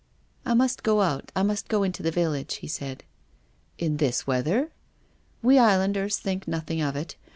" I must go out. I must go into the village," he said. " In this weather? "" We islanders think nothing of it.